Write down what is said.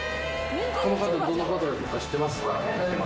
この方どんな方か知ってます？